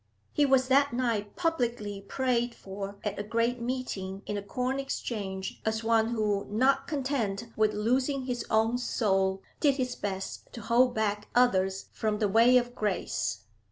He was that night publicly prayed for at a great meeting in the Corn Exchange as one who, not content with losing his own soul, did his best to hold back others from the way of grace.